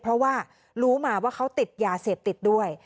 เพราะว่ารู้มาว่าเขาติดยาเสพติดด้วย